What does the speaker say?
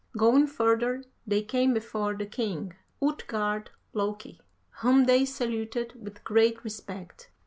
Going further, they came before the king, Utgard Loki, whom they saluted with great respect.